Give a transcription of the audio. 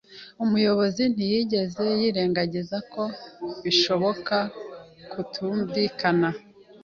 Umuyobozi ntiyigeze yirengagiza ko bishoboka kutumvikana.